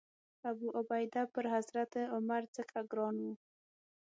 ابوعبیده پر حضرت عمر ځکه ګران و.